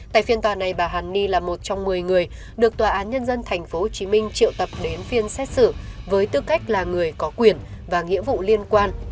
tại phiên tòa này bà hàn ni là một trong một mươi người được tòa án nhân dân tp hcm triệu tập đến phiên xét xử với tư cách là người có quyền và nghĩa vụ liên quan